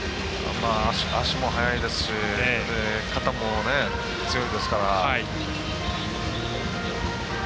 足も速いですし肩も強いですから。